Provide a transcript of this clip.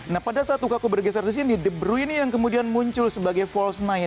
nah pada saat lukaku bergeser di sini the broing yang kemudian muncul sebagai false sembilan